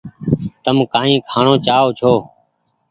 تم ڪآئي کآڻو چآئو ڇو ۔